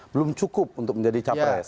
belum cukup untuk menjadi capres